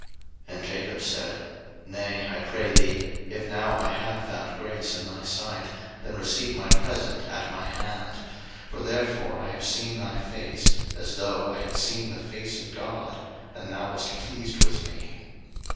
01:033:010 And Jacob said, Nay, I pray thee, if now I have found grace in thy sight, then receive my present at my hand: for therefore I have seen thy face, as though I had seen the face of God, and thou wast pleased with me.